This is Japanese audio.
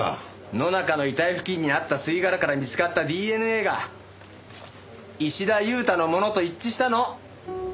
野中の遺体付近にあった吸い殻から見つかったＤＮＡが石田祐太のものと一致したの。